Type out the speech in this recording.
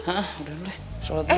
ha udah udah sholat dulu